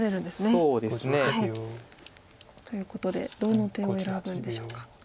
そうですね。ということでどの手を選ぶんでしょうか。